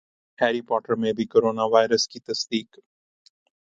Harry Potter میں بھی corona virus کی تصدیق